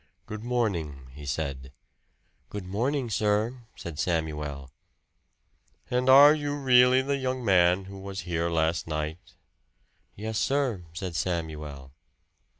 "Good morning," he said. "Good morning, sir," said Samuel. "And are you really the young man who was here last night?" "Yes, sir," said Samuel.